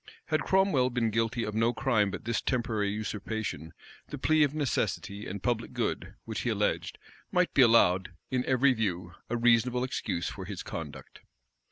Had Cromwell been guilty of no crime but this temporary usurpation, the plea of necessity and public good, which he alleged, might be allowed, in every view, a reasonable excuse for his conduct.